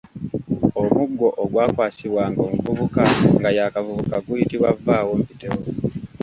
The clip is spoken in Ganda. Omuggo ogwakwasibwanga omuvubuka nga y’akavubuka guyitibwa Vvawompitewo.